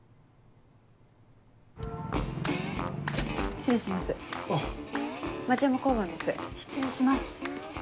失礼します。